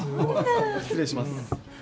失礼します。